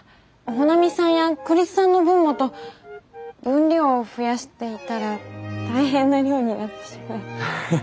穂波さんや栗津さんの分もと分量を増やしていたら大変な量になってしまい。